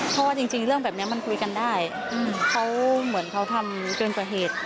เพราะว่าจริงเรื่องแบบนี้มันคุยกันได้เขาเหมือนเขาทำเกินกว่าเหตุ